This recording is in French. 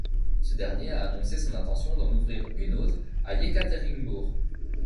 Ce dernier a annoncé son intention d'en ouvrir une autre à Iékaterinbourg.